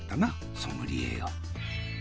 ソムリエよ。